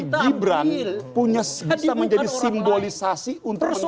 tapi gibran punya bisa menjadi simbolisasi untuk menggolong